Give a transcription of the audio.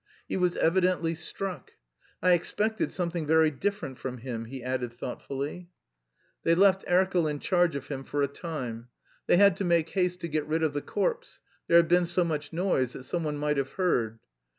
He was evidently struck. "I expected something very different from him," he added thoughtfully. They left Erkel in charge of him for a time. They had to make haste to get rid of the corpse: there had been so much noise that someone might have heard.